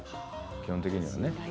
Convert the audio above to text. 基本的にはね。